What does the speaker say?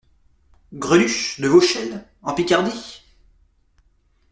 Greluche ? de Vauchelles… en Picardie ?